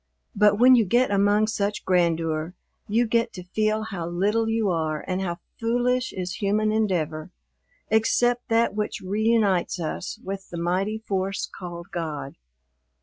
But when you get among such grandeur you get to feel how little you are and how foolish is human endeavor, except that which reunites us with the mighty force called God.